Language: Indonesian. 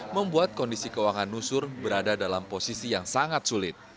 membuat kondisi keuangan nusur berada dalam posisi yang sangat sulit